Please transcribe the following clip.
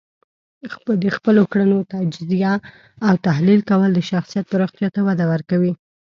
د خپلو کړنو تجزیه او تحلیل کول د شخصیت پراختیا ته وده ورکوي.